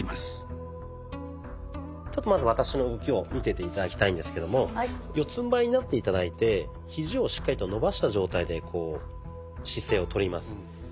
ちょっとまず私の動きを見てて頂きたいんですけども四つんばいになって頂いてひじをしっかりと伸ばした状態でこう姿勢をとります。